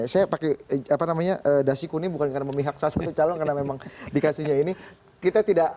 saya pakai dasi kuning bukan karena memihak salah satu calon karena memang dikasihnya ini